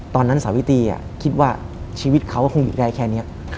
ตอนนั้นสาวิตีคิดว่าชีวิตเขาก็คงหยุดได้แค่นี้